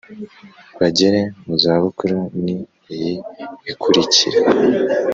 Bagere mu za bukuru ni iyi ikurikira